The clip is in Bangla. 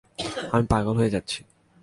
আমি পাগল হয়ে যাচ্ছি।